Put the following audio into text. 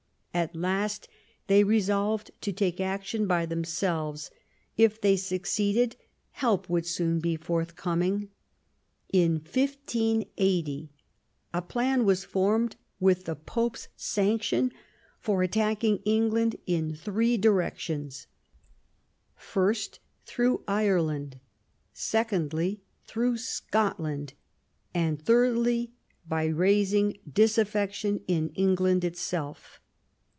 At last they resolved to take action by themselves ; if they succeeded, help would soon be forthcoming. In 1380 a plan was formed, with the Pope's sanction, for attacking England in three directions, first through Ireland, secondly through Scotland, and thirdly by THE ALENQON MARRIAGE, 187 raising disaffection in England itself.